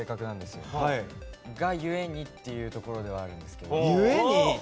それがゆえにってところではあるんですけど。